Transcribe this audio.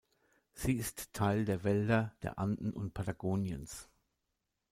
Sie ist Teil der Wälder der Anden und Patagoniens.